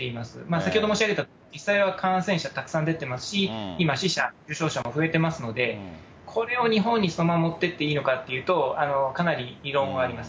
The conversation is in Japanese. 先ほど申し上げた、実際は感染者たくさん出てますし、今、死者、重症者も増えてますので、これを日本にそのまま持ってっていいのかっていうと、かなり異論はあります。